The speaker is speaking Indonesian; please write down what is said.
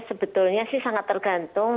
sebetulnya sih sangat tergantung